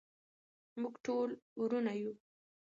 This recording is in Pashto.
موږ ټول ورونه یو.